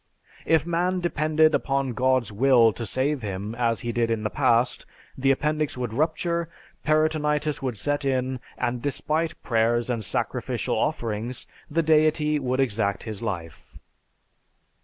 If man depended upon God's will to save him, as he did in the past, the appendix would rupture, peritonitis would set in, and despite prayers and sacrificial offerings, the Deity would exact his life.